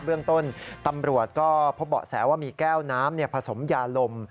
เรื่องต้นตำรวจก็พบเบาะแสว่ามีแก้วน้ำผสมยาลม